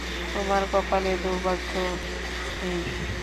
তোমার কপালে দুর্ভাগ্য নেই।